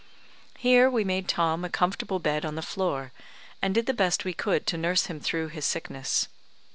Here we made Tom a comfortable bed on the floor, and did the best we could to nurse him through his sickness.